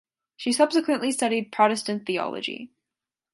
She subsequently studied Protestant theology.